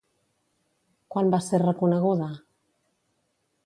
Quan va ser reconeguda?